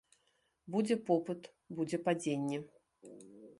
Будзе попыт, будзе падзенне.